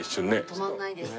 止まんないですね。